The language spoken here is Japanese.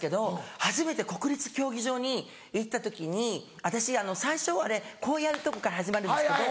初めて国立競技場に行った時に私最初あれこうやるとこから始まるんですけど。